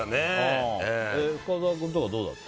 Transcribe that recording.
深澤君とかどうだった？